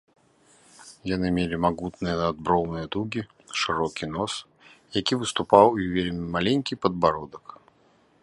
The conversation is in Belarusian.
Яны мелі магутныя надброўныя дугі, шырокі нос, які выступаў і вельмі маленькі падбародак.